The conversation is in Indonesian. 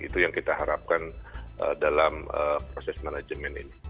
itu yang kita harapkan dalam proses manajemen ini